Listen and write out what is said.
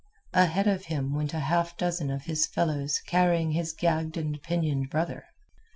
Ahead of him went a half dozen of his fellows carrying his gagged and pinioned brother.